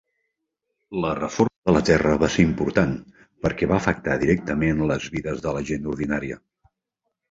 La reforma de la terra va ser important perquè va afectar directament les vides de la gent ordinària.